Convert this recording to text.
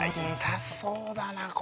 痛そうだなこれ。